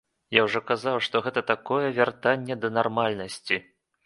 Я ўжо казаў, што гэта такое вяртанне да нармальнасці.